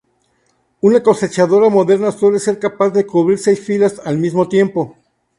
Una cosechadora moderna suele ser capaz de cubrir seis filas, al mismo tiempo.